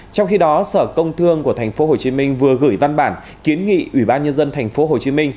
trong khi đó sở công thương của tp hcm vừa gửi văn bản kiến nghị ủy ban nhân dân tp hcm